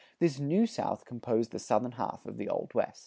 This New South composed the southern half of the Old West.